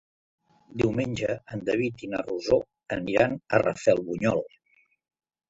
Diumenge en David i na Rosó aniran a Rafelbunyol.